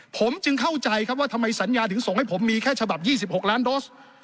ผมจึงเข้าใจครับว่าทำไมสัญญาถึงส่งให้ผมมีแค่ฉบับ๒๖ล้านโดส